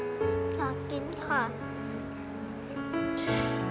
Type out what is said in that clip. อยากกินค่ะ